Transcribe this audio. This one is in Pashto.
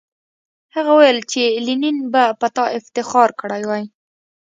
هغه وویل چې لینن به په تا افتخار کړی وای